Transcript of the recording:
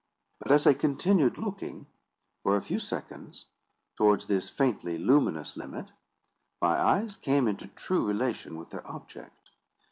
But, as I continued looking, for a few seconds, towards this faintly luminous limit, my eyes came into true relation with their object.